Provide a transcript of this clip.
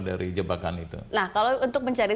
dari jebakan itu nah kalau untuk mencari